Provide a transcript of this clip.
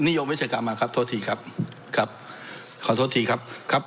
นิยมวิจัยกลับมาครับขอโทษทีครับ